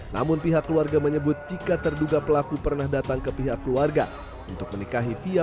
namun pihak keluarga menyebut jika terduga pelaku pernah datang ke pihak keluarga untuk menikahi fia